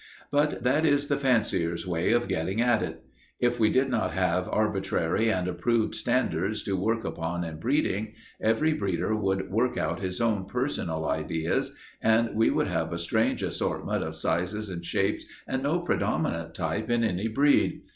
But that is the fancier's way of getting at it. If we did not have arbitrary and approved standards to work toward in breeding, every breeder would work out his own personal ideas, and we would have a strange assortment of sizes and shapes and no predominant type in any breed.